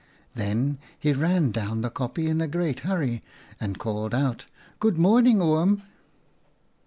Then he ran down the kopje in a great hurry and called out, ' Good morning, Oom.'